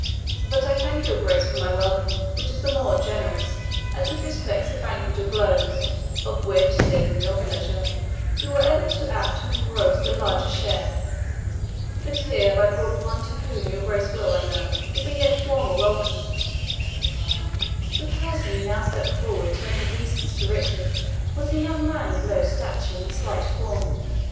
But I thank your Grace for my welcome, which is the more generous, as it respects a banquet of blows, of which, saving your pleasure, you are ever too apt to engross the larger share. But here have I brought one to whom your Grace will, I know, give a yet warmer welcome." The person who now stepped forward to make obeisance to Richard was a young man of low stature and slight form.